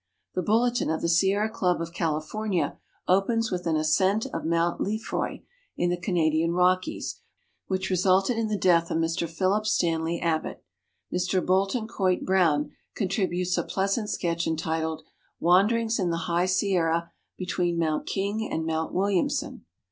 The Bulletin of the Sierra Club of California opens with an ascent of Mount Lefroy, in the Canadian Rockies, which resulted in the death of Mr Philip Stanley Abbot. Mr Bolton Coit Brown contributes a pleasant sketch entitled " Wanderings in the High Sierra between Mount King and Mount Williamson."